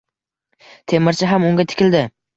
Temirchi ham unga tikildi.